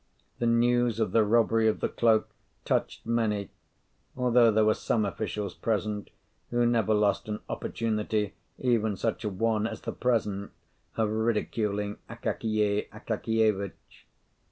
The news of the robbery of the cloak touched many; although there were some officials present who never lost an opportunity, even such a one as the present, of ridiculing Akakiy Akakievitch.